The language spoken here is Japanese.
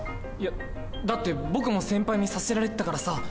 いやだって僕も先輩にさせられてたからさ。